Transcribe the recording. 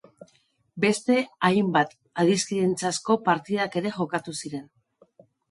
Beste hainbat adiskindantzazko partida ere jokatu ziren.